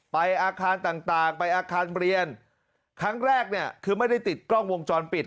ไปอาคารต่างต่างไปอาคารเรียนครั้งแรกเนี่ยคือไม่ได้ติดกล้องวงจรปิด